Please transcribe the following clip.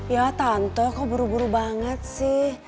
ya tante aku buru buru banget sih